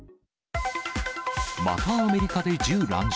またアメリカで銃乱射。